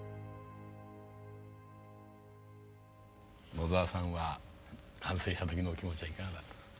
野澤さんは完成した時のお気持ちはいかがだった？